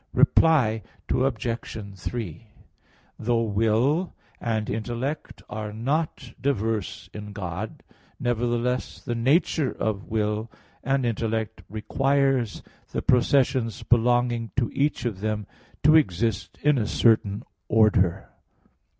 Reply Obj. 3: Though will and intellect are not diverse in God, nevertheless the nature of will and intellect requires the processions belonging to each of them to exist in a certain order.